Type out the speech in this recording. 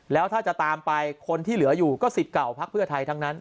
แล้วถ้าจะตามไปคนที่เหลืออยู่ก็สิทธิ์เก่าพักเพื่อไทยทั้งนั้น